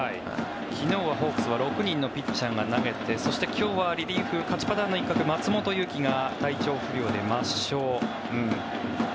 昨日はホークスは６人のピッチャーが投げてそして、今日はリリーフ勝ちパターンの一角、松本裕樹が体調不良で抹消。